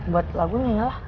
buat lagunya ya lah